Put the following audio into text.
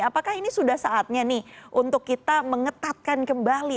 apakah ini sudah saatnya nih untuk kita mengetatkan kembali